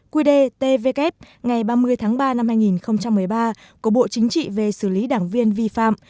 quy đề tvk ngày ba mươi tháng ba năm hai nghìn một mươi ba của bộ chính trị về xử lý đảng viên vi phạm